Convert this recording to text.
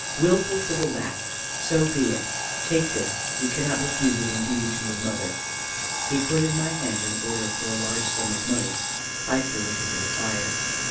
"Wilful to the last. So be it. Take this; you cannot refuse it in duty to your mother." He put in my hand an order for a large sum of money. I threw it into the fire.